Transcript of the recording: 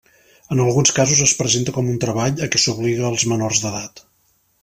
En alguns casos es presenta com un treball a què s'obliga els menors d'edat.